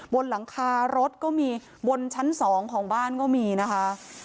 บนหลังคารถก็มีบนชั้น๒ของบ้านก็มีนะคะ